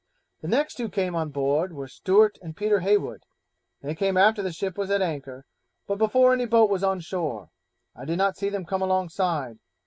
The next who came on board were Stewart and Peter Heywood; they came after the ship was at anchor, but before any boat was on shore. I did not see them come alongside.